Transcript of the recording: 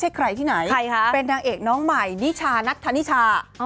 ใช่ใครที่ไหนเป็นนางเอกน้องใหม่นิชานัทธานิชา